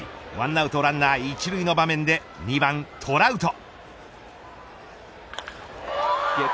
１アウトランナー一塁の場面で２番トラウト。